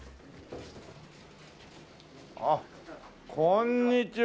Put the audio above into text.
あっこんにちは。